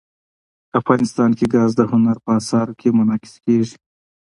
افغانستان کې ګاز د هنر په اثار کې منعکس کېږي.